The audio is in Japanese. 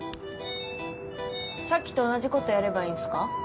さっきと同じ事やればいいんすか？